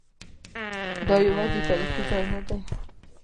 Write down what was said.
دا یوازې تاریخي ځای نه دی.